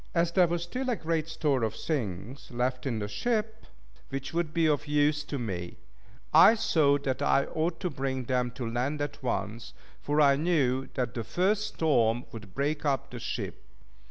As there was still a great store of things left in the ship, which would be of use to me, I thought that I ought to bring them to land at once; for I knew that the first storm would break up the ship.